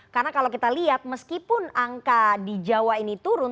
karena kalau kita lihat meskipun angka di jawa ini turun